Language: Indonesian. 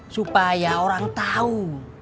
supaya orang tau